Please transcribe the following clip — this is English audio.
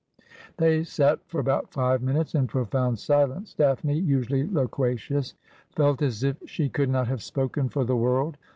They sat for about five minutes in profound silence. Daphne, usually loquacious, felt as if she could not have spoken for the world.